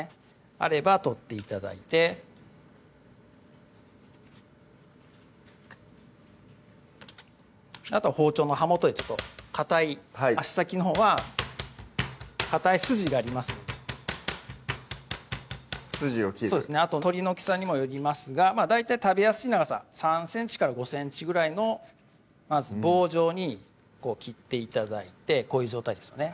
あれば取って頂いてあとは包丁の刃元でかたい足先のほうはかたい筋がありますので筋を切るあと鶏の大きさにもよりますが大体食べやすい長さ３ｃｍから５ｃｍぐらいのまず棒状に切って頂いてこういう状態ですよね